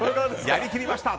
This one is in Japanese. やり切りました！